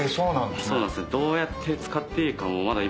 そうなんですね。